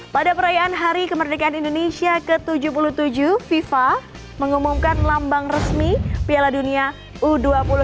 pada perayaan hari kemerdekaan indonesia ke tujuh puluh tujuh fifa mengumumkan lambang resmi piala dunia u dua puluh